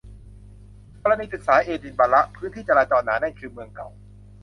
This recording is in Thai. กรณีศึกษา เอดินบะระ พื้นที่จราจรหนาแน่นคือเมืองเก่า